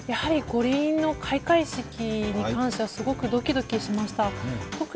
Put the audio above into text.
五輪の開会式に関しては、すごくドキドキしました。